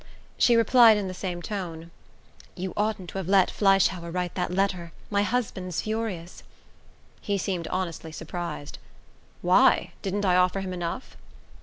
She replied in the same tone: "You oughtn't to have let Fleischhauer write that letter. My husband's furious." He seemed honestly surprised. "Why? Didn't I offer him enough?"